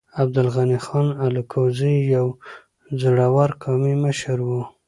عبدالغني خان الکوزی يو زړور قومي مشر و.